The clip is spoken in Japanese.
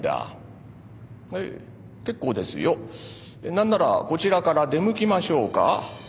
何ならこちらから出向きましょうか。